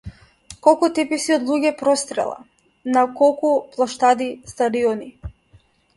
Колку теписи од луѓе прострела, на колку плоштади, стадиони.